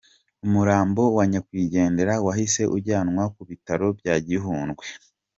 Umurambo wa Nyakwigendera wahise ujyanwa ku bitaro bya Gihundwe.